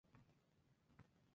Su novia le pega y lo deja.